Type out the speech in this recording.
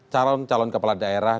calon calon kepala daerah